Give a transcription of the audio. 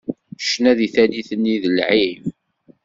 Ccna di tallit nni d lεib.